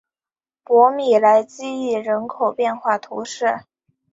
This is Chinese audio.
博米莱基伊人口变化图示